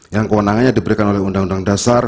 yang kewenangannya diberikan oleh undang undang dasar